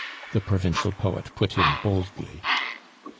the provincial poet put in boldly.